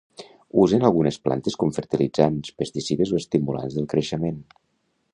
Usen algunes plantes com fertilitzants, pesticides o estimulants del creixement.